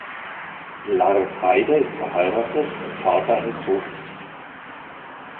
Lars Haider ist verheiratet und Vater eines Sohnes.